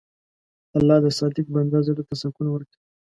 الله د صادق بنده زړه ته سکون ورکوي.